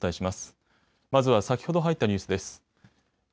まずは先ほど入ったニュースです。